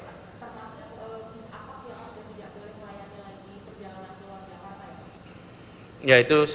untuk perjalanan ke luar jakarta